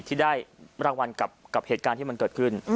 ที่ได้รางวัลกับเหตุการณ์ที่มันเกิดขึ้น